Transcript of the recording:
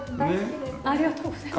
ありがとうございます。